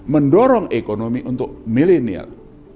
mendorong ekonomi untuk milenial